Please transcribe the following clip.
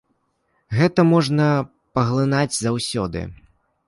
Гэта можна паглынаць заўсёды.